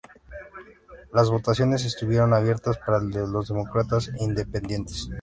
Las votaciones estuvieron abierta para los Demócratas e Independientes.